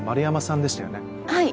はい。